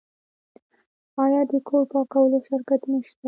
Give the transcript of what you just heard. آیا د کور پاکولو شرکتونه شته؟